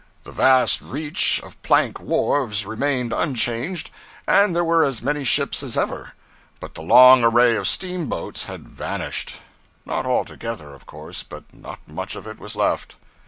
The vast reach of plank wharves remained unchanged, and there were as many ships as ever: but the long array of steamboats had vanished; not altogether, of course, but not much of it was left.